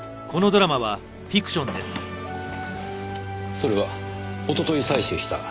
それはおととい採取した。